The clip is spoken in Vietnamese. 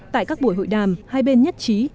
tại các buổi hội đàm hai bên nhất trí